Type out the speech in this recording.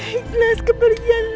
saya sudah ikhlas kepercayaan